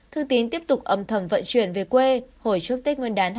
thư tín tiếp tục âm thầm vận chuyển về quê hồi trước tết nguyên đán hai nghìn hai mươi